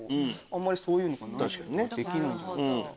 あんまりそういうのがないからできないんじゃないかな。